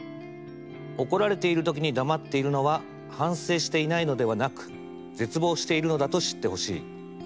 「怒られているときに黙っているのは反省していないのではなく絶望しているのだと知ってほしい。